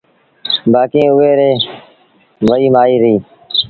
بآڪيٚݩ اُئي ريٚ وهي مآئيٚ رهيٚ